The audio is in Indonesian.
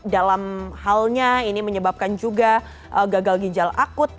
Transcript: dalam halnya ini menyebabkan juga gagal ginjal akut